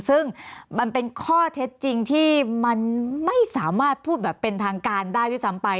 ซึ่งมันเป็นข้อเท็จจริงที่มันไม่สามารถพูดแบบเป็นทางการได้ด้วยซ้ำไป